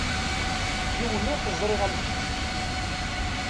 Yiwen ur t-ẓriɣ am kečč.